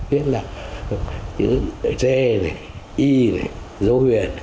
viết là chữ d này y này dô huyền